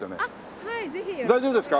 大丈夫ですか？